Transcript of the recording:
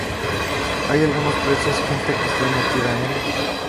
Hay algunos presos, gente que está metida en...".